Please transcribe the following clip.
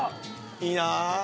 いいなぁ。